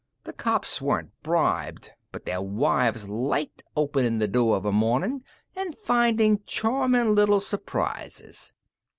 The cops weren't bribed, but their wives liked openin' the door of a mornin' an' findin' charmin' little surprises."